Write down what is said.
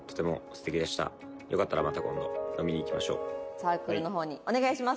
サークルの方にお願いします。